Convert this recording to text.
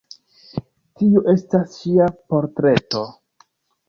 Tio estas ŝia portreto.